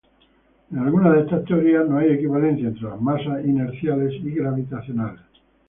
En algunas de estas teorías, no hay equivalencia entre las masas inerciales y gravitacionales.